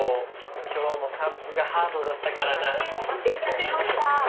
今日も散歩がハードだったからな。